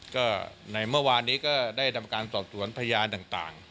ก็ในเมื่อวานนี้ก็ได้ทำการสอบสวนพยานต่าง